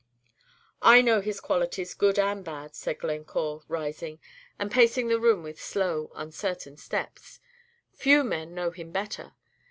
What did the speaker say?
"I know his qualities, good and bad," said Glencore, rising, and pacing the room with slow, uncertain steps; "few men know him better.